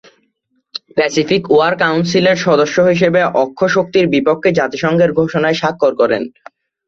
Pacific war কাউন্সিলের সদস্য হিসেবে অক্ষশক্তির বিপক্ষে জাতিসংঘের ঘোষণায় স্বাক্ষর করেন।